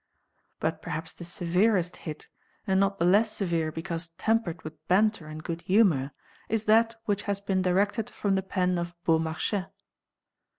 But perhaps the severest hit, and not the less severe because tempered with banter and good humour, is that which has been directed from the pen of Beaumarchais.